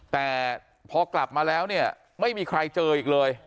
แต่พอกลับมาแล้วเนี่ยไม่มีใครเจออีกเลย